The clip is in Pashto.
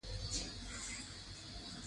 سرحدونه د افغانستان د طبعي سیسټم توازن ساتي.